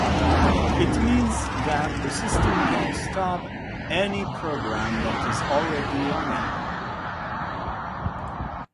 It means that the system can stop any program that is already running.